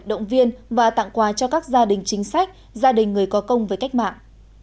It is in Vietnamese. động viên và tặng quà cho các gia đình chính sách gia đình người có công với cách mạng